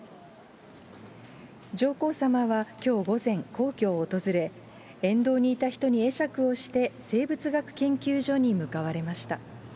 上皇さまはきょう午前、皇居を訪れ、沿道にいた人に会釈をして、生物学研究所に向かわれました。